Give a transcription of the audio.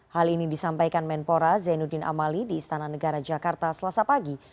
hal ini disampaikan menpora zainuddin amali di istana negara jakarta selasa pagi